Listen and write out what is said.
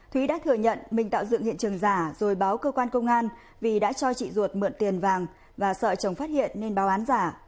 thúy đã thừa nhận mình tạo dựng hiện trường giả rồi báo cơ quan công an vì đã cho chị ruột mượn tiền vàng và sợ chồng phát hiện nên báo án giả